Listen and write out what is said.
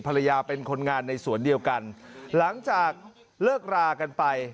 ภรรยาเป็นคนงานในสวนเดียวกันหลังจากเลิกรากันไป